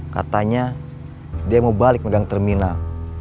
katanya dia mau balik megang terminal